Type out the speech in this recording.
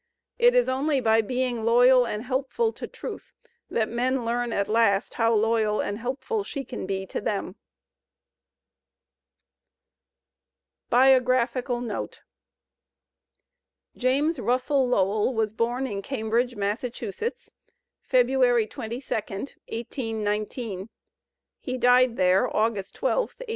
It is only by being loyal and helpful to Truth that men learn at last how loyal and helpful she can be to them." BIOGRAPHICAL NOTE James Russell Lowell was bom in Cambridge, Massachu setts, February 22, 1819; he died there August 12, 1891.